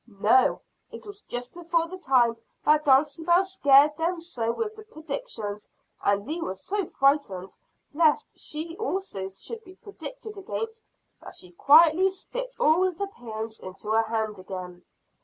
"No, it was just before the time that Dulcibel scared them so with the predictions; and Leah was so frightened, lest she also should be predicted against, that she quietly spit all the pins into her hand again."